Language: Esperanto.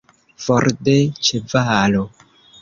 For de ĉevalo!